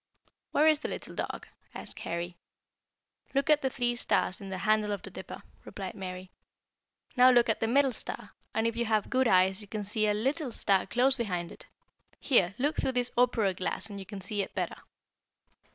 "Where is the little dog?" asked Harry. "Look at the three stars in the handle of the Dipper," replied Mary. "Now look at the middle star, and if you have good eyes you can see a little star close beside it. Here, look through this opera glass and you can see it better."